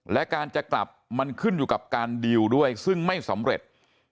และการจะกลับมันขึ้นอยู่กับการดีลด้วยซึ่งไม่สำเร็จ